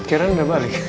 keren gak balik